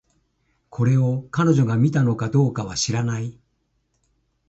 これを、彼女が見たのかどうかは知らない